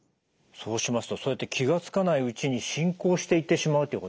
そうしますとそうやって気が付かないうちに進行していってしまうということですか。